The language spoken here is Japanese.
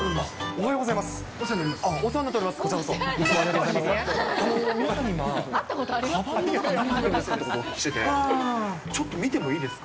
おはようございます。